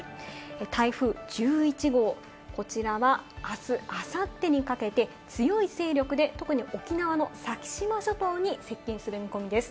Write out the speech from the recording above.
台風１１号、こちらはあす、あさってにかけて強い勢力で特に沖縄の先島諸島に接近する見込みです。